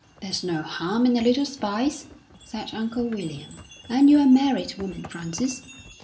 "There's no harm in a little spice," said Uncle William. "And you're a married woman, Frances."